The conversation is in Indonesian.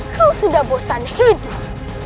kau sudah bosan hidup